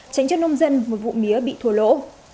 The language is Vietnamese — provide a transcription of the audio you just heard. tránh cho nông dân một vụ mía bị thua lỗ